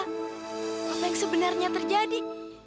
apa yang sebenarnya terjadi